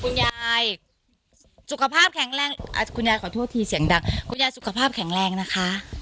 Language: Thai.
คุณยายสุขภาพแข็งแรงคุณยายขอโทษทีเสียงดังคุณยายสุขภาพแข็งแรงนะคะ